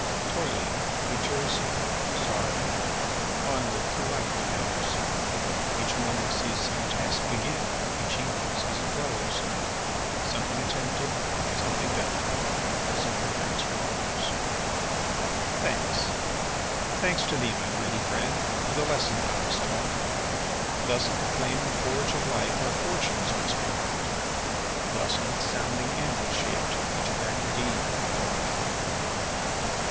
Toiling,—rejoicing,—sorrowing, Onward through life he goes; Each morning sees some task begin, Each evening sees it close; Something attempted, something done. Has earned a night's repose. Thanks, thanks to thee, my worthy friend, For the lesson thou hast taught! Thus at the flaming forge of life Our fortunes must be wrought; Thus on its sounding anvil shaped Each burning deed and thought.